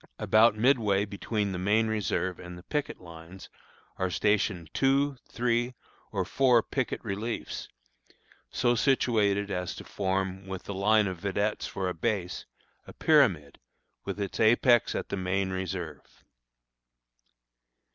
About midway between the main reserve and the picket line are stationed two, three, or four picket reliefs, so situated as to form, with the line of vedettes for a base, a pyramid, with its apex at the main reserve.